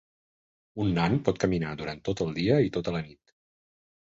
Un nan pot caminar duran tot el dia i tota la nit.